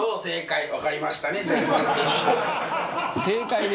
正解。